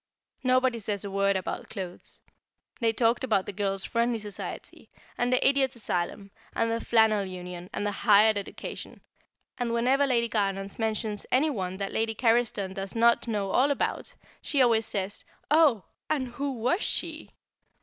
Nobody says a word about clothes; they talked about the Girls' Friendly Society, and the Idiot Asylum, and the Flannel Union, and Higher Education, and whenever Lady Garnons mentions any one that Lady Carriston does not know all about, she always says, "Oh! and who was she?"